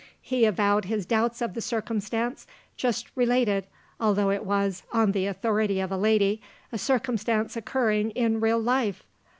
He avowed his doubts of the circumstance just related, although it was, on the authority of a lady, a circumstance occurring in real life!